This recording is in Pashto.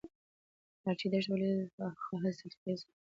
ارچي دښته ولې حاصلخیزه ده؟